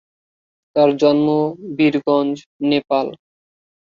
তাঁর জন্ম বীরগঞ্জ, নেপাল।